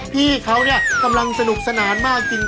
พี่เขาเนี่ยกำลังสนุกสนานมากจริง